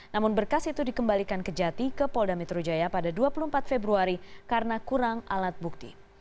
namun berkas itu dikembalikan ke jati ke polda metro jaya pada dua puluh empat februari karena kurang alat bukti